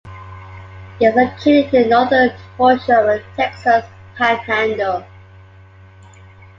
It is located in the northern portion of the Texas Panhandle.